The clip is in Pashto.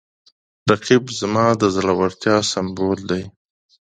رقیب زما د زړورتیا سمبول دی